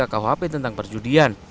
tiga ratus tiga khp tentang perjudian